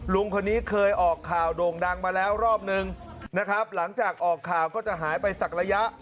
ลุงคนนี้เคยออกข่าวโด่งดังมาแล้วรอบนึงนะครับหลังจากออกข่าวก็จะหายไปสักระยะ